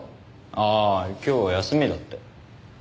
ああ今日休みだって。